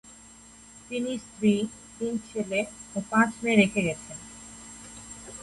তিনি স্ত্রী, তিন ছেলে ও পাঁচ মেয়ে রেখে গেছেন।